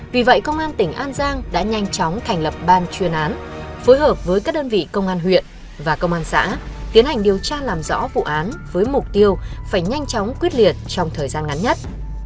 vì vậy công an tỉnh an giang đã nhanh chóng thành lập ban chuyên án phối hợp với các đơn vị công an huyện và công an xã tiến hành điều tra làm rõ vụ án với mục tiêu phải nhanh chóng quyết liệt trong thời gian ngắn nhất